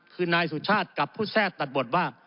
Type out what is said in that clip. คือนายสุชาติกับผู้แทรกตัดบทว่า